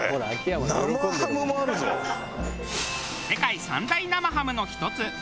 世界３大生ハムの一つ